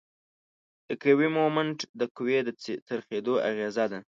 د قوې مومنټ د قوې د څرخیدو اغیزه ده.